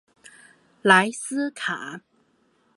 莱斯坎。